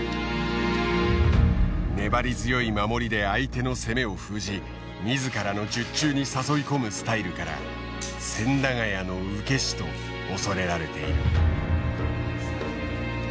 粘り強い守りで相手の攻めを封じ自らの術中に誘い込むスタイルから千駄ヶ谷の受け師と恐れられている。